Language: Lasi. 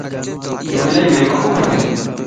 تون الائي بيوقوف ائين